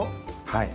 はい。